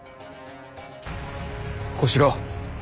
小四郎。